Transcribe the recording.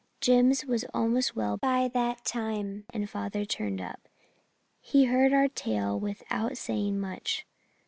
Jims was almost well by that time, and father turned up. He heard our tale without saying much.